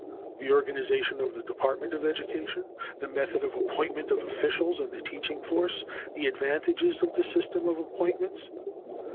The organization of the department of education. The method of appointment of officials and the teaching force. The advantages of the system of appointments.